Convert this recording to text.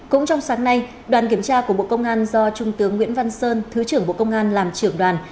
cũng trong sáng nay đoàn kiểm tra của bộ công an do trung tướng nguyễn văn sơn thứ trưởng bộ công an làm trưởng đoàn